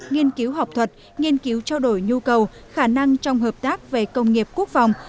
nghiên cứu học thuật nghiên cứu trao đổi nhu cầu khả năng trong hợp tác về công nghiệp quốc phòng